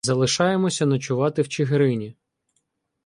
Залишаємося ночувати в Чигирині.